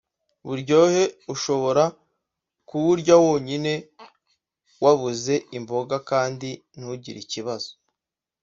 Buryohe ushobora kuwurya wonyine wabuze imboga kandi ntugire ikibazo